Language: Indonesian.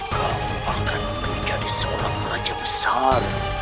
kau akan menjadi seorang raja besar